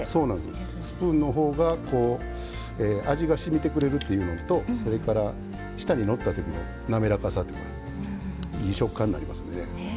スプーンのほうが味がしみてくれるっていうのとそれから舌にのったときのなめらかさというかいい食感になりますね。